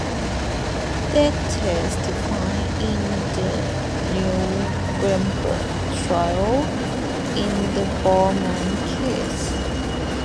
They testified in the Nuremberg Trial, in the ‘Bormann’ case.